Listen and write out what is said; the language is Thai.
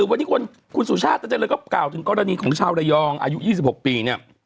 วันนี้คุณสุชาติตันเจริญก็กล่าวถึงกรณีของชาวระยองอายุ๒๖ปีเนี่ย